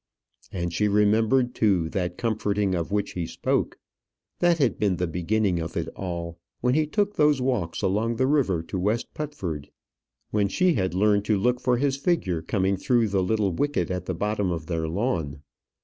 And she remembered, too, that comforting of which he spoke. That had been the beginning of it all, when he took those walks along the river to West Putford; when she had learned to look for his figure coming through the little wicket at the bottom of their lawn.